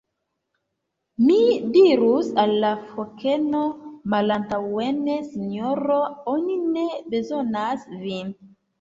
"Mi dirus al la fokeno: 'Malantaŭen Sinjoro! oni ne bezonas vin.'"